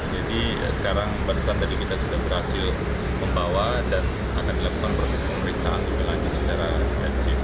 jadi sekarang barusan tadi kita sudah berhasil membawa dan akan dilakukan proses pemeriksaan untuk dia lagi secara intensif